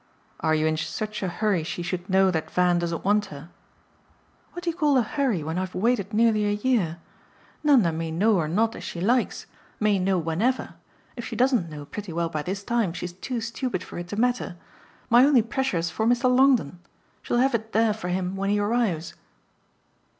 "Are you in such a hurry she should know that Van doesn't want her?" "What do you call a hurry when I've waited nearly a year? Nanda may know or not as she likes may know whenever: if she doesn't know pretty well by this time she's too stupid for it to matter. My only pressure's for Mr. Longdon. She'll have it there for him when he arrives."